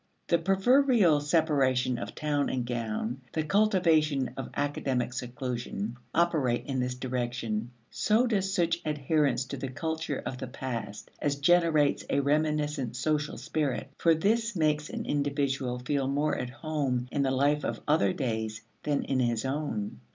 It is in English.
The proverbial separation of town and gown, the cultivation of academic seclusion, operate in this direction. So does such adherence to the culture of the past as generates a reminiscent social spirit, for this makes an individual feel more at home in the life of other days than in his own.